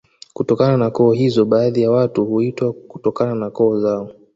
Kutokana na koo hizo baadhi ya watu huitwa kutokana na koo zao